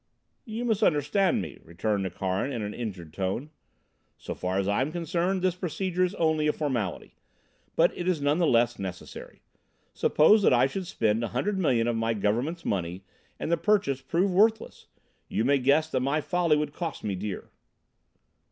"You misunderstand me," returned Nukharin in an injured tone. "So far as I am concerned this procedure is only a formality, but it is none the less necessary. Suppose that I should spend a hundred million of my government's money and the purchase prove worthless? You may guess that my folly would cost me dear."